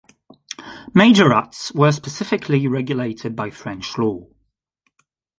Majorats were specifically regulated by French law.